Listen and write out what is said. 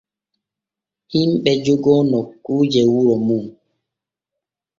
Himɓe jogoo nokkuuje wuro mum.